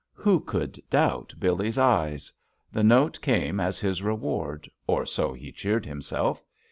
Who could doubt Billee's eyes? The note came as his reward, or so he cheered him self.